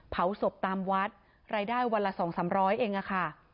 เผาศพตามวัดรายได้วันละ๒๓๐๐เองค่ะ